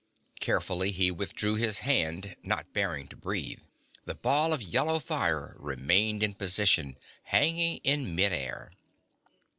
Carefully, he withdrew his hand, not daring to breathe. The ball of yellow fire remained in position, hanging in mid air.